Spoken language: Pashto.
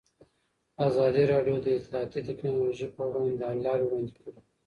ازادي راډیو د اطلاعاتی تکنالوژي پر وړاندې د حل لارې وړاندې کړي.